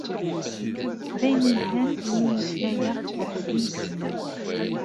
D ayen yelhan imi i mmeslayeɣ d Ɛezdin n Tezmalt.